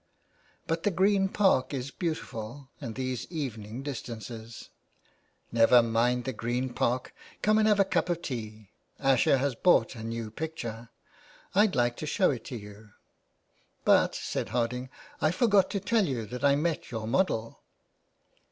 *' But the Green Park is beautiful, and these evening distances !"" Never mind the Green Park, come and have a cup of tea. Asher has bought a new picture. I'd like to show it to you. But," said Harding, *' I forgot to tell you that I met your model."